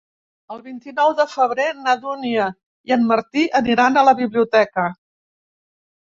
El vint-i-nou de febrer na Dúnia i en Martí aniran a la biblioteca.